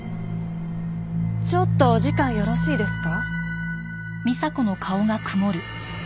ちょっとお時間よろしいですか？